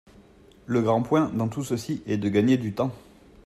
Le grand point, dans tout ceci, est de gagner du temps.